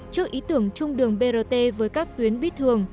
trước ý tưởng chung đường brt với các tuyến bít thường